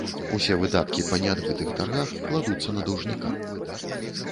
Усе выдаткі па неадбытых таргах кладуцца на даўжніка.